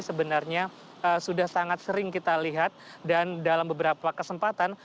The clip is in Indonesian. sebenarnya sudah sangat sering kita lihat dan dalam beberapa kesempatan